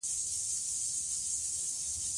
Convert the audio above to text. د هر ماشوم په لاس کې قلم ورکړئ.